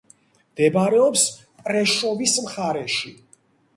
მდებარეობს პრეშოვის მხარეში.